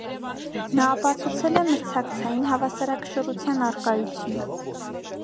Նա ապացուցել է մրցակցային հավասարակշռության առկայությունը։